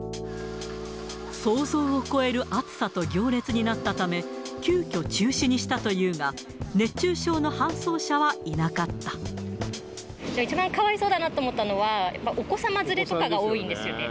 想像を超える暑さと行列になったため、急きょ、中止にしたというが、一番かわいそうだなと思ったのは、お子様連れとかが多いんですよね。